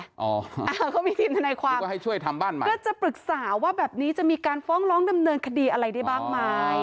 เขาก็มีทีมธนายความก็จะปรึกษาว่าแบบนี้จะมีการฟ้องร้องดำเนินคดีอะไรได้บ้างไหม